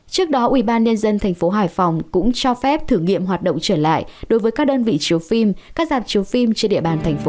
trước đó ủy ban nhân dân thành phố hải phòng cũng cho phép thử nghiệm hoạt động trở lại đối với các đơn vị chiếu phim các giạc chiếu phim trên địa bàn thành phố